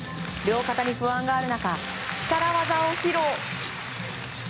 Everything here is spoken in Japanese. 両肩に不安がある中力技を披露。